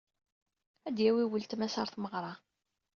Ad d-yawi ultma-s ɣer tmeɣra.